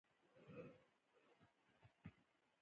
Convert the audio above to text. برېښنا د تولید بې حسابه لارې لري.